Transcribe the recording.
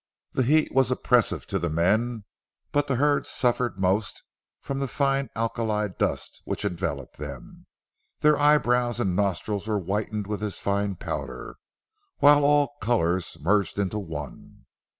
"The heat was oppressive to the men, but the herd suffered most from the fine alkali dust which enveloped them. Their eyebrows and nostrils were whitened with this fine powder, while all colors merged into one.